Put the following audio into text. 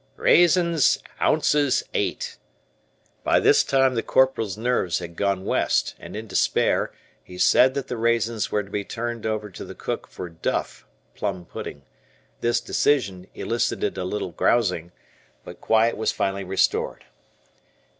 "Raisins, ounces, eight." By this time the Corporal's nerves had gone West, and in despair, he said that the raisins were to be turned over to the cook for "duff" (plum pudding). This decision elicited a little "grousing," but quiet was finally restored.